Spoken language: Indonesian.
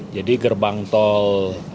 jadi gerbang tol